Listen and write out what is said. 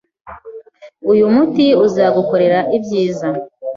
Uyu muti uzagukorera ibyiza!